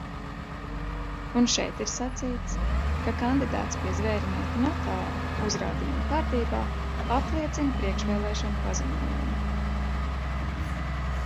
Un šeit ir sacīts, ka kandidāts pie zvērināta notāra uzrādījuma kārtībā apliecina priekšvēlēšanu paziņojumu.